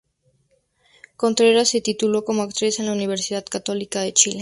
Contreras se tituló como actriz en la Universidad Católica de Chile.